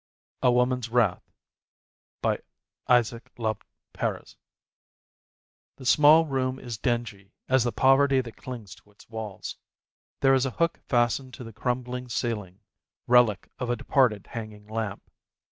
A WOMAN'S WRATH The small room is dingy as the poverty that clings to its walls. There is a hook fastened to the crumbling ceiling, relic of a departed hanging lamp.